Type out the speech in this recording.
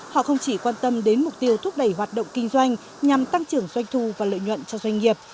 họ không chỉ quan tâm đến mục tiêu thúc đẩy hoạt động kinh doanh nhằm tăng trưởng doanh thu và lợi nhuận cho doanh nghiệp